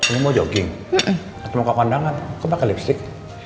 lu mau jogging aku mau ke kondangan kok pake lipstick